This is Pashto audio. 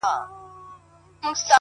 عاجزي د لویوالي ښکلی انعکاس دی